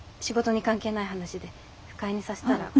仕事に関係ない話で不快にさせたら。